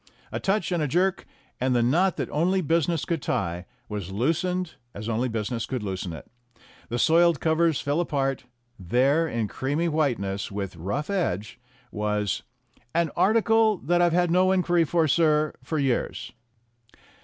A touch and a jerk, and the knot that only business could tie was loosened as only business could loosen it. The soiled covers fell apart; there, in creamy whiteness, with rough edge, was "an article that I've had no inquiry for, sir, for years."